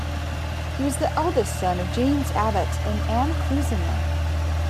He was the eldest son of James Abbot and Ann Clousinger.